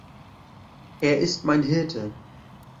Er ist mein Hirte.